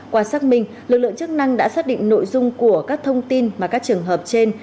qua xác minh lực lượng chức năng đã xác định nội dung của các thông tin mà các trường hợp trên